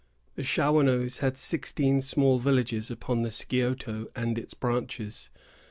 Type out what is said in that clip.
The Shawanoes had sixteen small villages upon the Scioto and its branches.